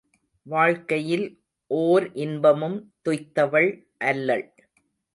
வாழ்க்கையில் ஓர் இன்பமும் துய்த்தவள் அல்லள்.